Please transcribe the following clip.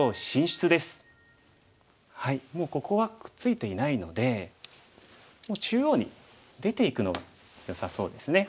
もうここはくっついていないので中央に出ていくのがよさそうですね。